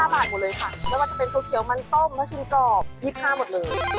แล้วมันจะเป็นทุกเขียวมันต้มมะชุมกรอบ๒๕บาทหมดเลย